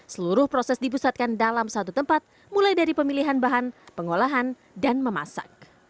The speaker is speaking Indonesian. seluruh proses dipusatkan dalam satu tempat mulai dari pemilihan bahan pengolahan dan memasak